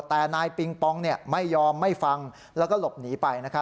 แต่นายปิงปองไม่ยอมไม่ฟังแล้วก็หลบหนีไป